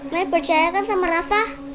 makanya percaya kan sama rafa